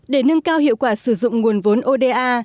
để nâng cao hiệu quả sử dụng nguồn vốn oda